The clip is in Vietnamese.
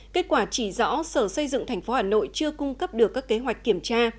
kết quả chỉ rõ sở xây dựng tp hà nội chưa cung cấp được các kế hoạch kiểm tra